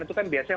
itu kan biasanya